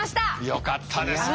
よかったですね